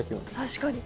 確かに。